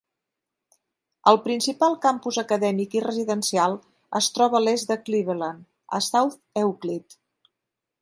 El principal campus acadèmic i residencial es troba a l'est de Cleveland, a South Euclid.